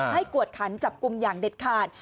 กวดขันจับกลุ่มอย่างเด็ดขาด